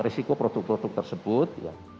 risiko produk produk tersebut